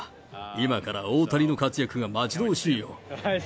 今からオータニの活躍が待ち遠しいよ。